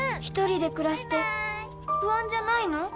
一人で暮らして不安じゃないの？